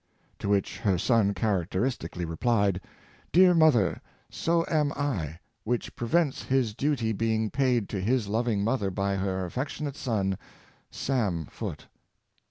To which her son characteristically replied —" Dear mother, so am I; which prevents his duty being paid to his loving mother by her affectionate son, Sam Foote."